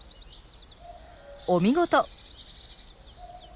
お見事！